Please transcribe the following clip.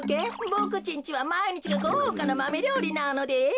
ボクちんちはまいにちがごうかなマメりょうりなのです。